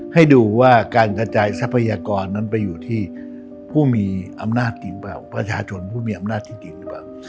ให้ดูว่าการกระจายทรัพยากรนั้นไปอยู่ที่ผู้มีอำนาจจริงเปล่าประชาชนผู้มีอำนาจจริงหรือเปล่า